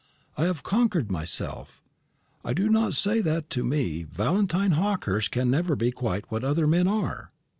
I have conquered myself. I do not say that to me Valentine Hawkehurst can ever be quite what other men are.